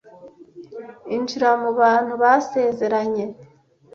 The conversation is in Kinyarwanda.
injira mubantu basezeranye